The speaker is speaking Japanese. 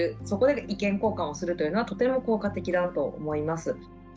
そこで意見交換をするというのはとても効果的だと思います。